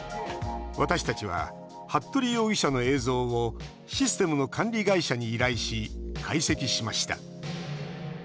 私たちは服部容疑者の映像をシステムの管理会社に依頼し解析しました。